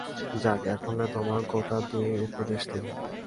যাক, এক্ষণে তোমাকে গোটা-দুই উপদেশ দিই।